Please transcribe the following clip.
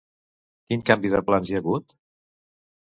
Quin canvi de plans hi ha hagut?